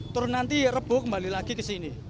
terus nanti rebuh kembali lagi kesini